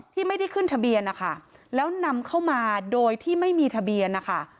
ที่ไม่ได้ขึ้นทะเบียนนะคะแล้วนำเข้ามาโดยที่ไม่มีทะเบียนนะคะ